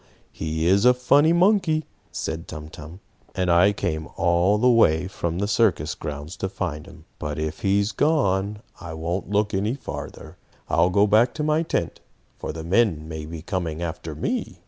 He is a funny monkey," said Tum Tum. "And I came all the way from the circus grounds to find him. But if he is gone, I won't look any farther. I'll go back to my tent, for the men may be coming after me."